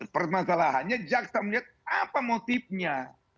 permasalahannya jaksa melihat apa motifnya